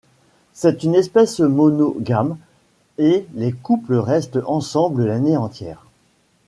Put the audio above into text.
C'est une espèce monogame et les couples restent ensembles l'année entière.